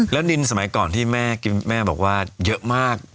แล้วดินสมัยก่อนที่แม่บอกว่าเยอะมาก